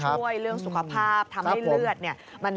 เรื่องสุขภาพทำให้เลือดเนี่ย